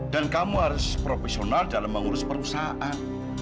dan kamu harus profesional dalam mengurus perusahaan